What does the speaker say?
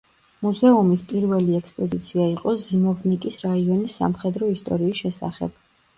მუზეუმის პირველი ექსპოზიცია იყო ზიმოვნიკის რაიონის სამხედრო ისტორიის შესახებ.